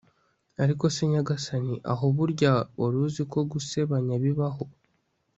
ariko se nyagasani aho burya waruziko gusebanya bibaho